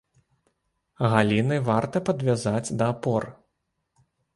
Галіны варта падвязаць да апор.